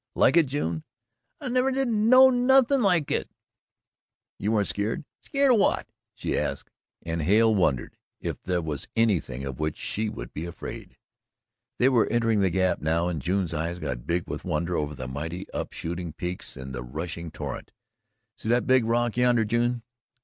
"Like it, June?" "I never did know nothing like it." "You weren't scared?" "Skeered o' what?" she asked, and Hale wondered if there was anything of which she would be afraid. They were entering the Gap now and June's eyes got big with wonder over the mighty up shooting peaks and the rushing torrent. "See that big rock yonder, June?"